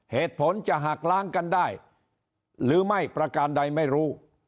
เหตุผลจะหักล้างกันได้หรือไม่ประการใดไม่รู้